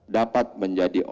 dapat menjadi objek